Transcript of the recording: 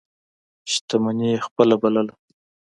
شتمني یې خپله بلله.